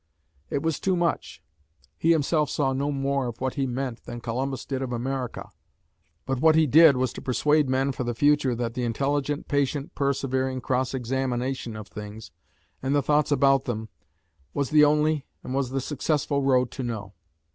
It was too much. He himself saw no more of what he meant than Columbus did of America. But what he did was to persuade men for the future that the intelligent, patient, persevering cross examination of things, and the thoughts about them, was the only, and was the successful road to know.